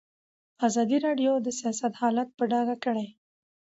ازادي راډیو د سیاست حالت په ډاګه کړی.